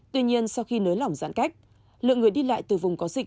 tuy nhiên sau khi nới lỏng giãn cách lượng người đi lại từ vùng có dịch